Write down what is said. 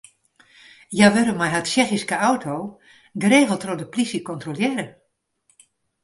Hja wurde mei har Tsjechyske auto geregeld troch de plysje kontrolearre.